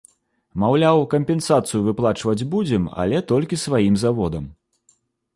Маўляў, кампенсацыю выплачваць будзем, але толькі сваім заводам.